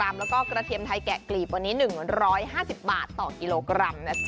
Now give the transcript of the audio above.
แล้วก็กระเทียมไทยแกะกลีบวันนี้๑๕๐บาทต่อกิโลกรัมนะจ๊